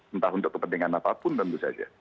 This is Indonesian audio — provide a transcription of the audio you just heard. entah untuk kepentingan apapun tentu saja